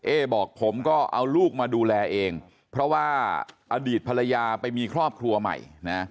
บอกผมก็เอาลูกมาดูแลเองเพราะว่าอดีตภรรยาไปมีครอบครัวใหม่นะ